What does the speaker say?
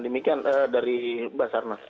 demikian dari basarnas